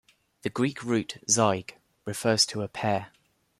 The Greek root "zyg" refers to a pair.